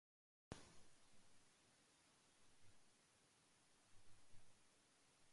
ما بال ديناريك عني أعرضا